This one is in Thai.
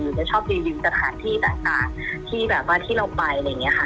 จะชอบรีวิวสถานที่ต่างที่แบบว่าที่เราไปอะไรอย่างนี้ค่ะ